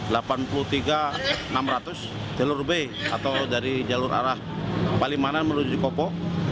dari jalur b atau dari jalur arah palimanan menuju jokopo